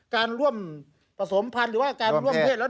การร่วมประสงค์พันธุ์หรือว่าการร่วมเพศแล้วนะครับ